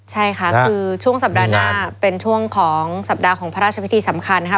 ใช่ค่ะคือช่วงสัปดาห์หน้าเป็นช่วงของสัปดาห์ของพระราชพิธีสำคัญนะคะ